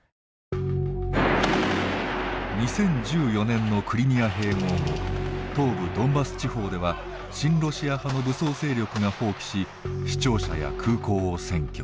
２０１４年のクリミア併合後東部ドンバス地方では親ロシア派の武装勢力が蜂起し市庁舎や空港を占拠。